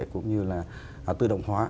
cũng như là tự động hóa